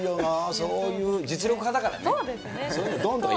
そういう実力派だからね。